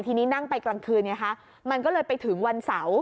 ทีนี้นั่งไปกลางคืนไงคะมันก็เลยไปถึงวันเสาร์